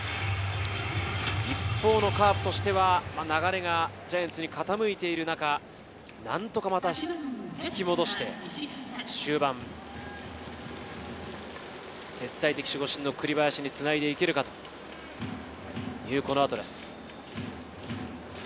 一方のカープとしては流れがジャイアンツに傾いている中、何とかまた引き戻して終盤、絶対的守護神の栗林につないでいけるかというこのあとです。